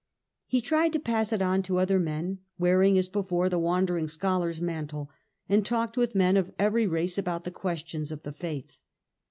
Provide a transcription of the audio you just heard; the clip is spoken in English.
He tried to pass it on to other men, wearing as before the wandering scholar's mantle, and talked with men of every race about the questions of the faith.